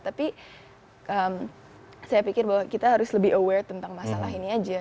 tapi saya pikir bahwa kita harus lebih aware tentang masalah ini aja